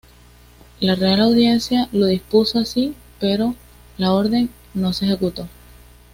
La Real Audiencia lo dispuso así, pero la orden no se ejecutó.